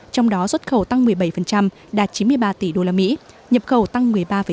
trong đó xuất khẩu tăng một mươi bảy đạt chín mươi ba tỷ usd nhập khẩu tăng một mươi ba bốn